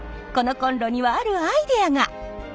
このコンロにはあるアイデアが？